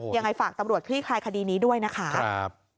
ยังไงฝากตำรวจคลี่คลายคดีนี้ด้วยนะคะ